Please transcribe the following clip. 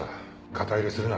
肩入れするな。